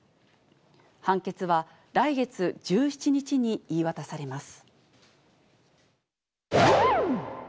判決は来月１７日に言い渡されます。